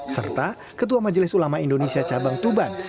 serta ketua majelis ulama indonesia cabang tuban